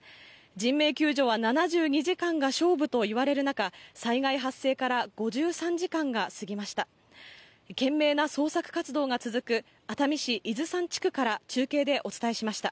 人命救助は７２時間が勝負といわれる中、災害発生から５３時間が過ぎました。